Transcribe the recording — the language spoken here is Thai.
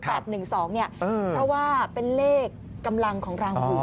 เพราะว่าเป็นเลขกำลังของรางหู